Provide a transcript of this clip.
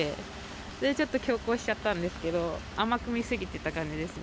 それでちょっと強行しちゃったんですけど、甘く見過ぎてた感じですね。